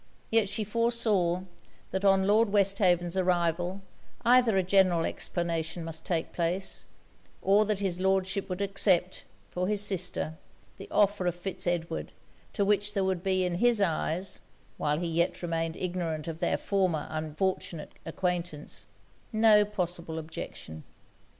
Yet she foresaw, that on Lord Westhaven's arrival either a general explanation must take place, or that his Lordship would accept, for his sister, the offer of Fitz Edward, to which there would be in his eyes, (while he yet remained ignorant of their former unfortunate acquaintance,) no possible objection.